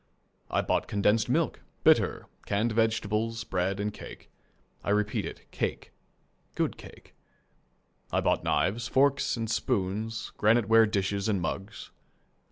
I bought condensed milk, bitter, canned vegetables, bread, and cake. I repeat it, cake good cake. I bought knives, forks, and spoons, granite ware dishes and mugs.